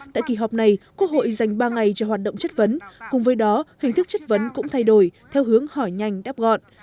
tại kỳ họp này quốc hội dành ba ngày cho hoạt động chất vấn cùng với đó hình thức chất vấn cũng thay đổi theo hướng hỏi nhanh đáp gọn